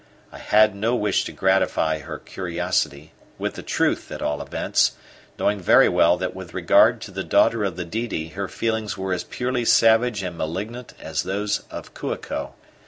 I had no wish to gratify her curiosity, with the truth at all events, knowing very well that with regard to the daughter of the Didi her feelings were as purely savage and malignant as those of Kua ko.